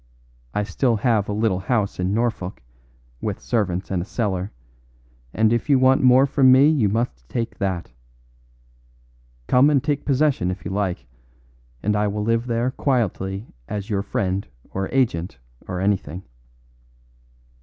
I still have a little house in Norfolk, with servants and a cellar, and if you want more from me you must take that. Come and take possession if you like, and I will live there quietly as your friend or agent or anything.